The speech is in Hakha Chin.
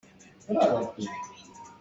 Nan cawfate cu a com tuk caah duh a nung tuk.